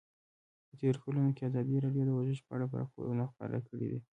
په تېرو کلونو کې ازادي راډیو د ورزش په اړه راپورونه خپاره کړي دي.